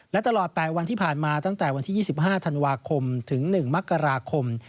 และตลอด๘วันที่ผ่านมาตั้งแต่วันที่๒๕ธันวาคมถึง๑มกราคม